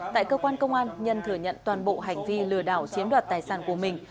tại cơ quan công an nhân thừa nhận toàn bộ hành vi lừa đảo chiếm đoạt tài sản của mình